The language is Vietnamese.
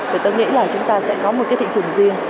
thì tôi nghĩ là chúng ta sẽ có một cái thị trường riêng